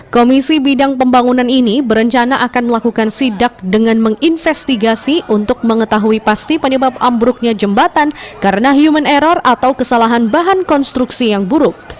komisi bidang pembangunan ini berencana akan melakukan sidak dengan menginvestigasi untuk mengetahui pasti penyebab ambruknya jembatan karena human error atau kesalahan bahan konstruksi yang buruk